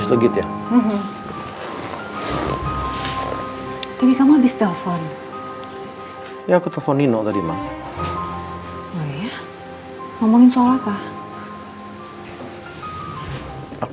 chart recognise yang kuasa